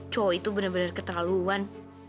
cowok itu bener bener keterlaluan